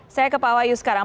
saya ke pak wahyu sekarang